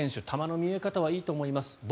球の見え方はいいと思います。